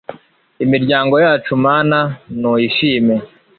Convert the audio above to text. imiryango yacu mana n'uyishime